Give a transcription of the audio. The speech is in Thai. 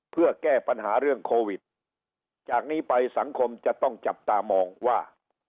เพื่อแก้ปัญหาเรื่องโควิดจากนี้ไปสังคมจะต้องจับตามองว่า